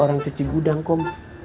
orang cuci gudang kum